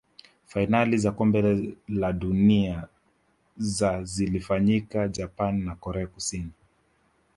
fainali za kombe la dunia za zilifanyika japan na korea kusini